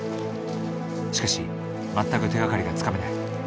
しかし全く手がかりがつかめない。